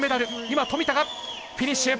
今富田がフィニッシュ。